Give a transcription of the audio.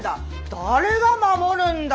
誰が守るんだよ